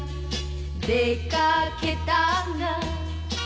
「出掛けたが」